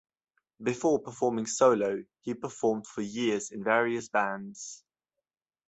Before performing solo, he performed for years in various bands.